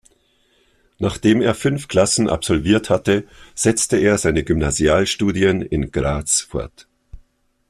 Nachdem er fünf Klassen absolviert hatte, setzte er seine Gymnasialstudien in Graz fort.